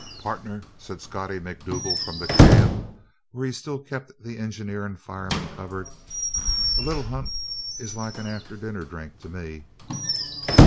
"Partner," said Scottie Macdougal from the cab, where he still kept the engineer and fireman covered, "a little hunt is like an after dinner drink to me."